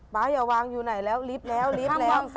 อย่าวางอยู่ไหนแล้วลิฟต์แล้วลิฟต์แล้ว